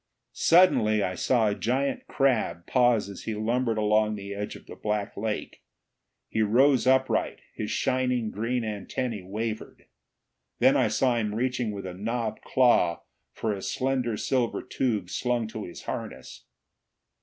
Suddenly I saw a giant crab pause as he lumbered along the edge of the black lake. He rose upright; his shining green antennae wavered. Then I saw him reaching with a knobbed claw for a slender silver tube slung to his harness.